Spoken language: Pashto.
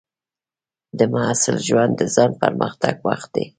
د محصل ژوند د ځان پرمختګ وخت دی.